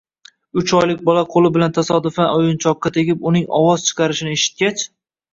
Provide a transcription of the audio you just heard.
Uch oylik bola qo‘li bilan tasodifan o‘yinchoqqa tegib, uning ovoz chiqarishini eshitgach